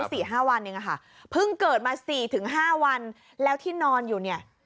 ปี๔๕วันยังไงคะเพิ่งเกิดมา๔๕วันแล้วที่นอนอยู่เนี่ย